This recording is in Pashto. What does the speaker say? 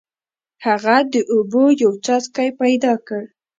هغه د اوبو یو څاڅکی پیدا کړ.